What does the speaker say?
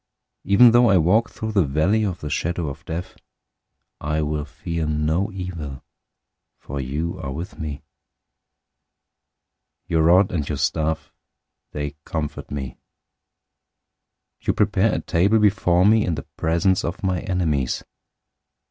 023:004 Even though I walk through the valley of the shadow of death, I will fear no evil, for you are with me. Your rod and your staff, they comfort me. 023:005 You prepare a table before me in the presence of my enemies.